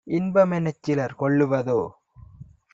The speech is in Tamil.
இன்பமெனச் சிலர் கொள்ளுவதோ?